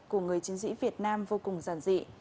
của người chiến sĩ việt nam vô cùng giản dị